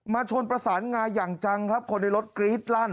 ชนประสานงาอย่างจังครับคนในรถกรี๊ดลั่น